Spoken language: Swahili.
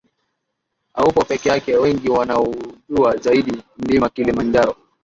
Haupo pekee yako Wengi wanaujua zaidi Mlima Kilimanjaro